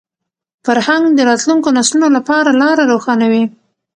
فرهنګ د راتلونکو نسلونو لپاره لاره روښانوي.